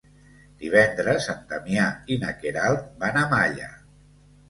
Divendres en Damià i na Queralt van a Malla.